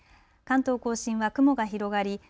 関東甲信は雲が広がり